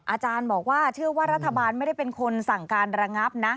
อาจารย์บอกว่าเชื่อว่ารัฐบาลไม่ได้เป็นคนสั่งการระงับนะ